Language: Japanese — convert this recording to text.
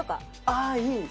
ああーいい！